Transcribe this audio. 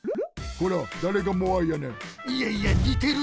こらだれがモアイやねん！